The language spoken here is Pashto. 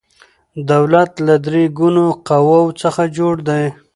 دولت له درې ګونو قواو څخه جوړ دی